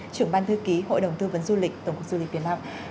trưởng ban thư ký hội đồng tư vấn du lịch tổng cục du lịch việt nam